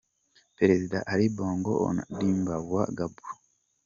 Perezida Ali Bongo Ondimba wa Gabon.